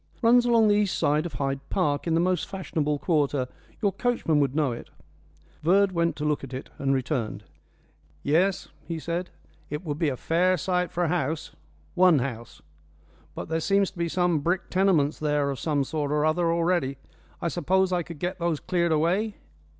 "Runs along the east side of Hyde Park, in the most fashionable quarter. Your coachman would know it." Verd went to look at it, and returned. "Yes," he said, "it would be a fair site for a house one house. But there seems to be some brick tenements there of some sort or other already. I suppose I could get those cleared away?"